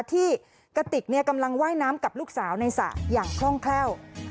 กระติกกำลังว่ายน้ำกับลูกสาวในสระอย่างคล่องแคล่ว